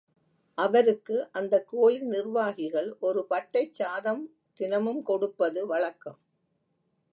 அவருக்கு அந்தக் கோயில் நிர்வாகிகள் ஒரு பட்டைச் சாதம் தினமும் கொடுப்பது வழக்கம்.